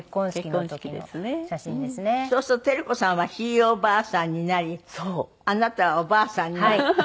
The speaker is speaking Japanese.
そうすると照子さんはひいおばあさんになりあなたはおばあさんになった。